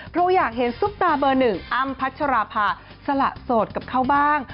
เพราะอยากเห็นซุปตาเบอร์หนึ่งอ้ำพัชราภาสละโสดกับเขาบ้าง